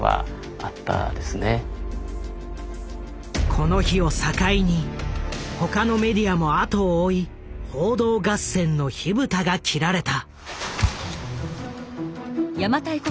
この日を境に他のメディアも後を追い報道合戦の火蓋が切られた。